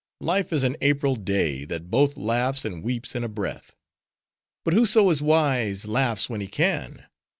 Life is an April day, that both laughs and weeps in a breath. But whoso is wise, laughs when he can.